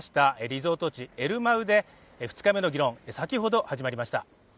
リゾート地、エルマウで２日目の議論、先ほど始まりました。